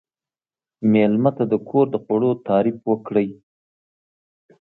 مېلمه ته د کور د خوړو تعریف وکړئ.